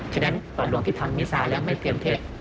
ฉะนั้นหลวงที่ทำนิสาแล้วไม่เตรียมเทพ